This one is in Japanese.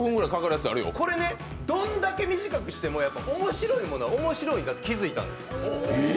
これね、どんだけ短くしても面白いものは面白いんだと気付いたんです。